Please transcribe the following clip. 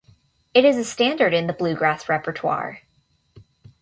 It is a standard in the bluegrass repertoire.